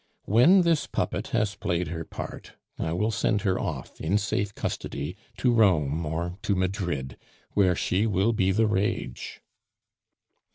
When this puppet has played her part, I will send her off in safe custody to Rome or to Madrid, where she will be the rage."